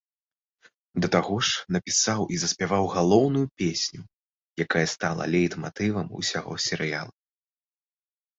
Да таго ж, напісаў і заспяваў галоўную песню, якая стала лейтматывам усяго серыяла.